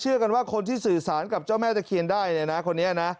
กันว่าคนที่สื่อสารกับเจ้าแม่ตะเคียนได้เนี่ยนะคนนี้นะ